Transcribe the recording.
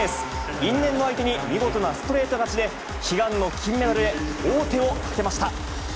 因縁の相手に、見事なストレート勝ちで、悲願の金メダルへ、王手をかけました。